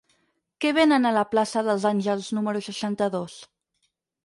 Què venen a la plaça dels Àngels número seixanta-dos?